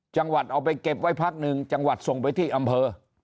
จังหวัดเอาไปเก็บไว้พักหนึ่งจังหวัดส่งไปที่อำเภอ